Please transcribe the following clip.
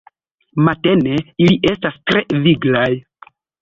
Matene ili estas tre viglaj.